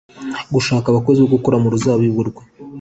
gushaka abakozi bo gukora mu ruzabibu rwe